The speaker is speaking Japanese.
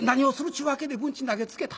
ちゅうわけで文鎮投げつけた。